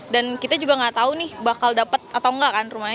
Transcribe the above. kita juga nggak tahu nih bakal dapat atau enggak kan rumahnya